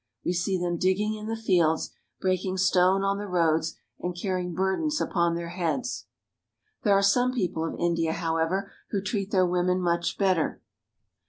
We see them digging in the fields, breaking stone on the roads, and carrying burdens upon their heads. There are some people of India, however, who treat their women much better.